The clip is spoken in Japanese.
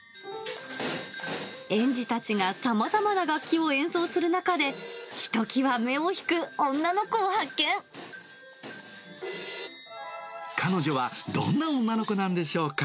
園児たちがさまざまな楽器を演奏する中で、彼女はどんな女の子なんでしょうか。